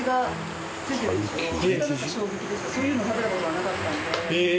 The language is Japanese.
そういうの食べた事がなかったので。